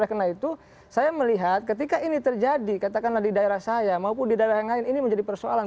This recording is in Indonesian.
karena itu saya melihat ketika ini terjadi katakanlah di daerah saya maupun di daerah yang lain ini menjadi persoalan